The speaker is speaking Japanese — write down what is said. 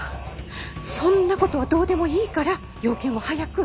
そんなことはどうでもいいから用件を早く。